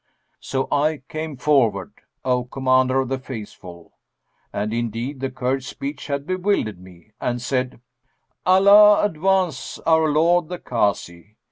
So I came forward, O Commander of the Faithful (and indeed the Kurd's speech had bewildered me) and said, 'Allah advance our lord the Kazi!